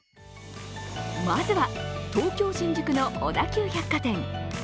まずは、東京・新宿の小田急百貨店。